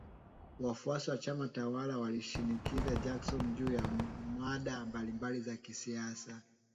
Wafuasi wa chama tawala walimshinikiza Jackson juu ya mada mbalimbali za kisiasa.